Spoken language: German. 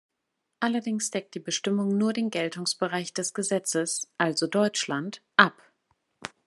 Allerdings deckt die Bestimmung nur den Geltungsbereich des Gesetzes, also Deutschland, ab.